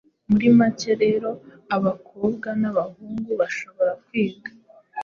Muri make rero, abakobwa n’abahungu bashobora kwiga